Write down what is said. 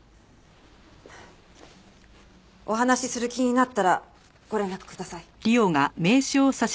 お話しする気になったらご連絡ください。